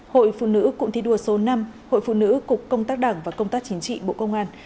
hội phụ nữ cụng thi đua số năm hội phụ nữ cục công tác đảng và công tác chính trị bộ công an